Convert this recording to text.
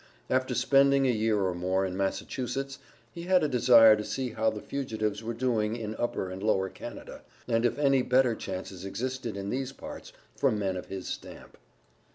After spending a year or more in Massachusetts, he had a desire to see how the fugitives were doing in Upper and Lower Canada, and if any better chances existed in these parts for men of his stamp.